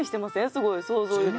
すごい想像よりも。